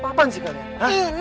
apa apaan sih kalian